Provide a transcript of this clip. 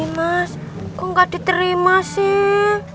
mas kok gak diterima sih